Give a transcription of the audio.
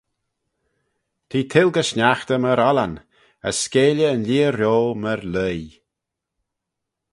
T'eh tilgey sniaghtey myr ollan: as skeayley yn lheeah-rio myr leoie.